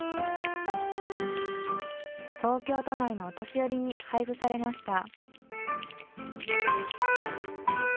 東京都内のお年寄りに配布されました。